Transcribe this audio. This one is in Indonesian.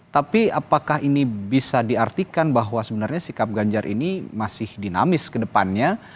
tapi apakah ini bisa diartikan bahwa sebenarnya sikap ganjar ini masih dinamis ke depannya